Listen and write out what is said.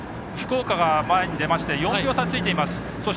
福岡が前に抜けまして４秒差ついています。